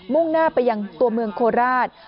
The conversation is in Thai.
่งหน้าไปยังตัวเมืองโคราช